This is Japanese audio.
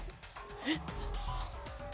えっ？